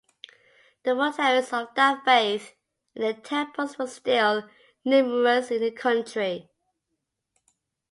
The votaries of that faith and their temples were still numerous in the country.